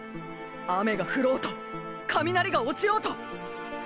雨が降ろうと雷が落ちようと！